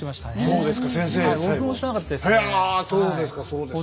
そうですかそうですか。